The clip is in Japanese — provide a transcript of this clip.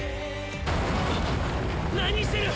何してる！